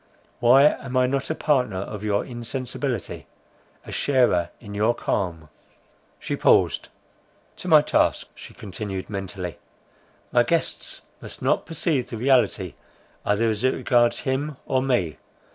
—Why am I not a partner of your insensibility, a sharer in your calm!" She paused. "To my task," she continued mentally, "my guests must not perceive the reality, either as it regards him or me.